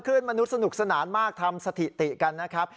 มนุษย์สนุกสนานมากทำสถิติกันนะครับ